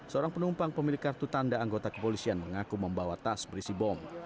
seorang penumpang pemilik kartu tanda anggota kepolisian mengaku membawa tas berisi bom